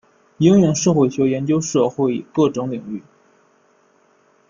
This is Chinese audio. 应用社会学研究社会各种领域。